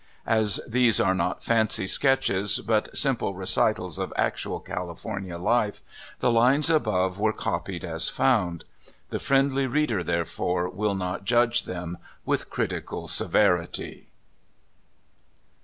As these are not fancy sketches, but simple re citals of actual California life, the lines above were copied as found. The friendly reader therefore will not judge them with critical severity.